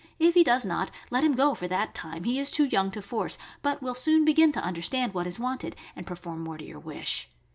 If he does not, let him go for that time; he is too young to force, but will soon begin to understand what is wanted and perform more to your wish.